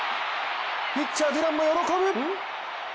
ピッチャー・デュランも喜ぶ。